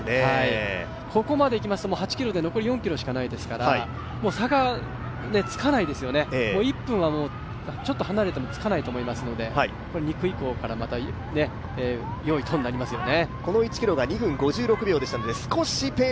ここまでいきますと、８ｋｍで残り４ｋｍしかないですから差がつかないですよね、１分はちょっと離れてもつかないと思いますので２区以降から、またヨーイドンになりますよね。